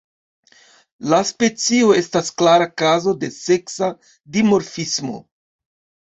La specio estas klara kazo de seksa dimorfismo.